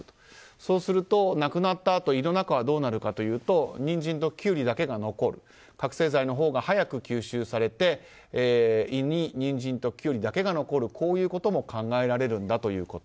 そうすると、亡くなったあと胃の中はどうなるかというとニンジンとキュウリだけが残る覚醒剤のほうが早く吸収されて胃にニンジンとキュウリだけが残ることも考えられるんだということ。